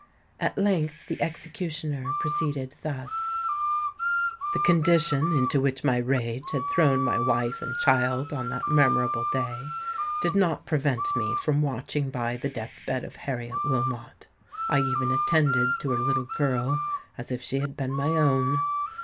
At length the executioner proceeded thus:— "The condition into which my rage had thrown my wife and child on that memorable day, did not prevent me from watching by the death bed of Harriet Wilmot. I even attended to her little girl as if she had been my own.